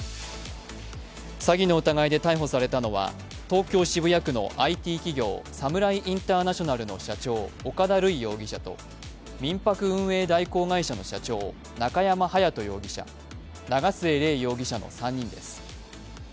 詐欺の疑いで逮捕されたのは東京・渋谷区のＩＴ企業、サムライ・インターナショナルの社長、岡田塁容疑者と民泊運営代行会社の社長中山勇人容疑者、長末嶺容疑者の３人です。